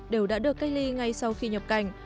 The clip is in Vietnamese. đều đã được cách ly ngay sau khi nhập cảnh